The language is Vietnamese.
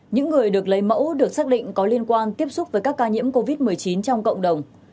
những người được lấy mẫu được xác định có liên quan tiếp xúc với các ca nhiễm covid một mươi chín trong cộng đồng